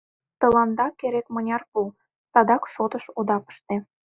Тыланда керек-мыняр пу, садак шотыш ода пыште.